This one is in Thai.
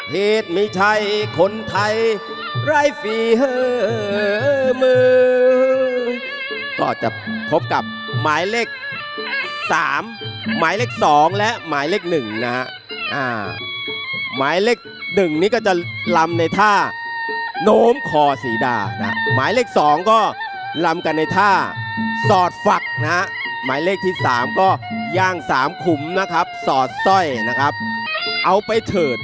เพศมีชัยคนไทยไร่ฝีเหมือ